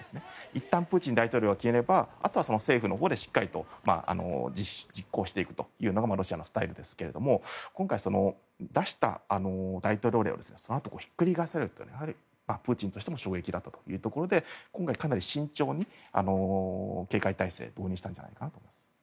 いったんプーチン大統領が決めれば政府のほうで実行していくというのがロシアのスタイルですけれども今回、出した大統領令をそのあとひっくり返されるのはプーチンとしても衝撃ということで今回かなり慎重に警戒体制を導入したんじゃないかと思います。